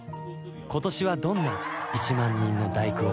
今年はどんな「１万人の第九」を？